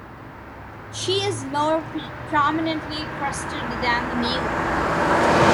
She is more prominently crested than the male.